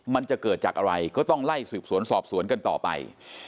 มันจะเกิดจากอะไรก็ต้องไล่สืบสวนสอบสวนกันต่อไป